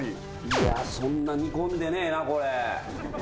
いやそんな煮込んでねえなこれ。